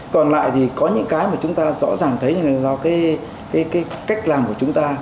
còn lại thì có những cái mà chúng ta rõ ràng thấy là do cái cách làm của chúng ta